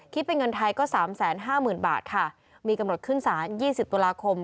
คิดเป็นเงินไทยก็๓๕๐๐๐บาทค่ะมีกำหนดขึ้นสาร๒๐ตุลาคม